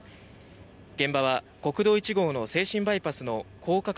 現場は国道１号の静清バイパスの高架化